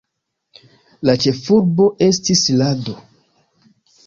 La ĉefurbo estis Lado.